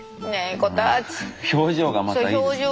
表情がまたいいですね。